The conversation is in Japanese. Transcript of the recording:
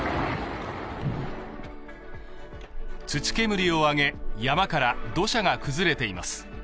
土煙を上げ、山から土砂が崩れています。